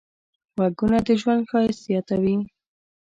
غږونه د ژوند ښایست زیاتوي.